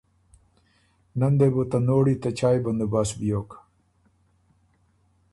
نۀ ن دې بو ته نوړی ته چایٛ بندوبست بیوک،